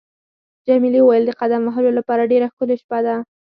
جميلې وويل: د قدم وهلو لپاره ډېره ښکلې شپه ده.